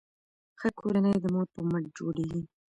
ښه کورنۍ د مور په مټ جوړیږي.